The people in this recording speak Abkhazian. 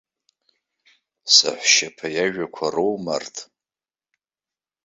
Саҳәшьаԥа иажәақәа роума арҭ?